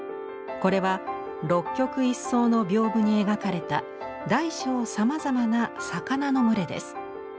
これは六曲一双の屏風に描かれた大小さまざまな魚の群れです。